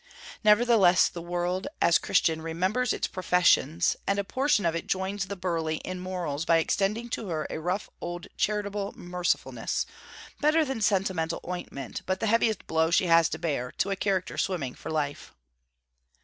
Nevertheless the world, as Christian, remembers its professions, and a portion of it joins the burly in morals by extending to her a rough old charitable mercifulness; better than sentimental ointment, but the heaviest blow she has to bear, to a character swimming for life.